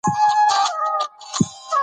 لوستې میندې د ماشوم د روغ ژوند ملاتړ کوي.